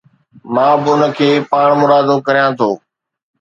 مان به اُن کي پاڻمرادو ڪريان ٿو.